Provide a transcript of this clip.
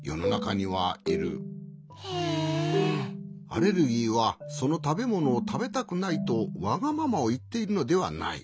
アレルギーはそのたべものをたべたくないとわがままをいっているのではない。